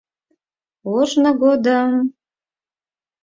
Ожно годым